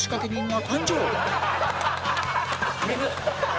水。